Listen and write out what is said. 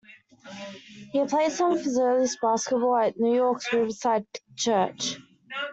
He played some of his earliest basketball at New York's Riverside Church.